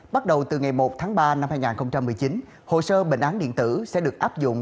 bắt đầu từ ngày một tháng ba năm hai nghìn một mươi chín hồ sơ bệnh án điện tử sẽ được áp dụng